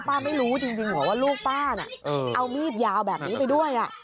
ไม่รู้จริงเหรอว่าลูกป้าน่ะเอามีดยาวแบบนี้ไปด้วย